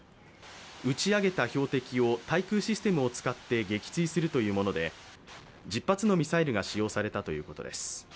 打ち上げた標的を対空システムを使って撃墜するというもので、１０発のミサイルが使用されたということです。